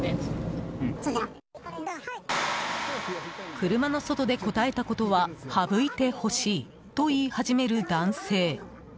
車の外で答えたことは省いてほしいと言い始める男性。